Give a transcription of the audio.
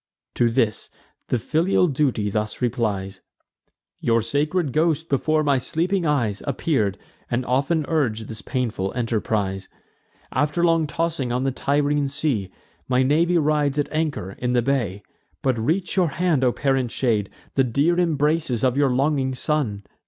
To this, the filial duty thus replies: "Your sacred ghost before my sleeping eyes Appear'd, and often urg'd this painful enterprise. After long tossing on the Tyrrhene sea, My navy rides at anchor in the bay. But reach your hand, O parent shade, nor shun The dear embraces of your longing son!"